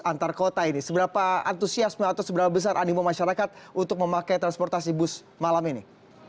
antar kota ini seberapa antusiasme atau seberapa besar animo masyarakat untuk memakai transportasi bus malam ini